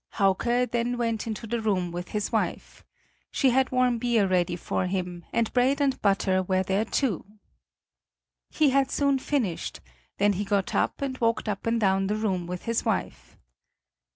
Hauke then went into the room with his wife. She had warm beer ready for him, and bread and butter were there, too. He had soon finished; then he got up and walked up and down the room with his wife.